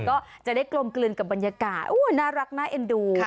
ก็จะได้กลมกลืนกับบรรยากาศน่ารักน่าเอ็นดู